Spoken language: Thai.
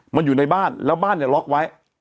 มันอยู่ในบ้านแล้วบ้านเนี่ยล็อกไว้